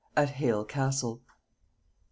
AT HALE CASTLE. Mr.